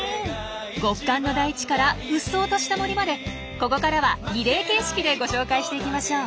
極寒の大地から鬱蒼とした森までここからはリレー形式でご紹介していきましょう。